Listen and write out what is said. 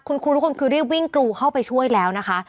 คุณครูทุกคนคือรีบวิ่งกรูเข้าไปช่วยแล้วนะคะ